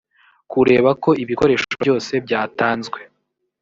kureba ko ibikoresho byose byatanzwe